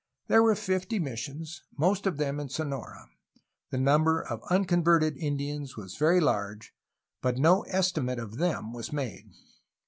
There were fifty missions, most of them in Sonora. The number of unconverted Indians was very large, but no estimate of them was made.